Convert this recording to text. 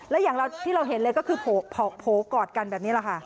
และอย่างที่เราเห็นเลยก็คือโผล่กอดกันแบบนี้แหละค่ะ